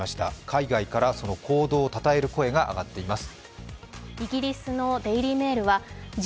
海外からその行動をたたえる声が上がっています。